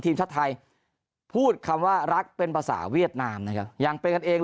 ทีมชาติไทยพูดคำว่ารักเป็นภาษาเวียดนามนะครับยังเป็นกันเอง